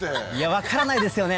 分からないですよね